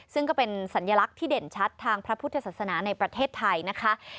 ซึ่งก็เป็นสัญลักษณ์ที่เด่นชัดทางพระพุทธศาสนาในประเทศไทยนะคะ